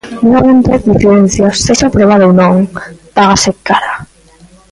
Novamente, a disidencia, sexa probada ou non, págase cara.